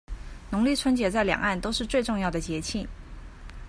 農曆春節在兩岸都是最重要的節慶